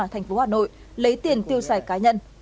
thành phố hà nội lấy tiền tiêu xài cá nhân